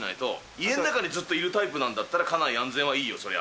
家の中でずっといるタイプだったら、家内安全はいいよ、そりゃ。